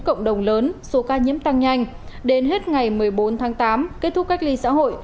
cộng đồng lớn số ca nhiễm tăng nhanh đến hết ngày một mươi bốn tháng tám kết thúc cách ly xã hội